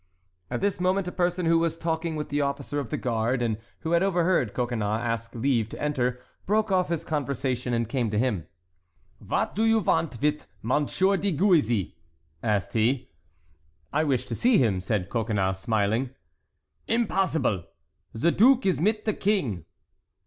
At this moment a person who was talking with the officer of the guard and who had overheard Coconnas ask leave to enter, broke off his conversation and came to him. "Vat do you vant with Monsieur dee Gouise?" asked he. "I wish to see him," said Coconnas, smiling. "Imbossible! the duke is mit the King."